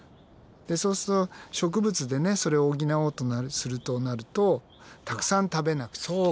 でそうすると植物でねそれを補おうとするとなるとたくさん食べなくちゃいけない。